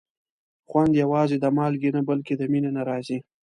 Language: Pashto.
خوند یوازې د مالګې نه، بلکې د مینې نه راځي.